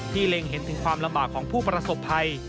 เล็งเห็นถึงความลำบากของผู้ประสบภัย